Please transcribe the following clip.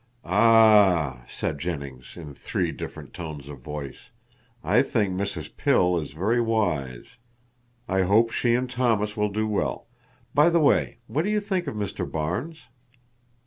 Ah!" said Jennings in three different tones of voice. "I think Mrs. Pill is very wise. I hope she and Thomas will do well. By the way, what do you think of Mr. Barnes?"